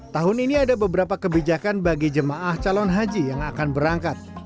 tahun ini ada beberapa kebijakan bagi jemaah calon haji yang akan berangkat